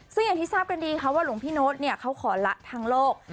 ซึ่งอย่างที่ทราบกันดีค่ะว่าหลวงพี่โน๊ตเขาขอละทางโลก